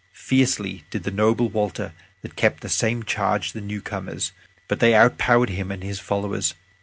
Fiercely did the noble Walter that kept the same charge the newcomers, but they overpowered him and his followers.